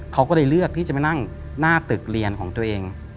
เขาก็เลยเลือกที่จะมานั่งหน้าตึกเรียนของตัวเอง